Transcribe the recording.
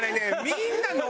みんな何？